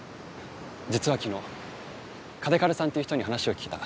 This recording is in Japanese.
実は昨日嘉手刈さんという人に話を聞いた。